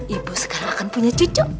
ibu sekarang akan punya cucu